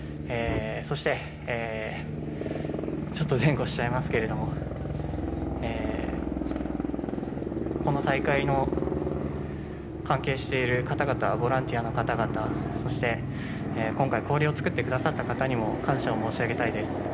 そしてちょっと前後しちゃいますけれども、この大会の関係している方々、ボランティアの方々、そして今回、氷を作ってくださった方々にも感謝を申し上げたいです。